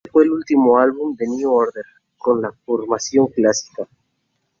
Este fue el último álbum de New Order con la formación clásica.